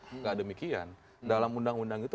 tidak demikian dalam undang undang itu